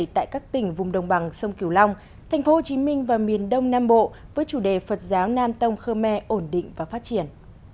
tại các tỉnh vùng đồng bằng sông kiều long thành phố hồ chí minh và miền đông nam bộ với chủ đề phật giáo nam tông khơ me ổn định và phát triển